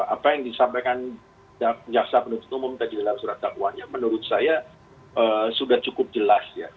apa yang disampaikan jaksa penuntut umum tadi dalam surat dakwaannya menurut saya sudah cukup jelas ya